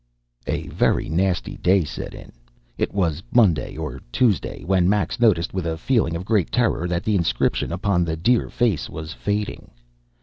A very nasty day set in it was Monday or Tuesday when Max noticed with a feeling of great terror that the inscription upon the dear face was fading.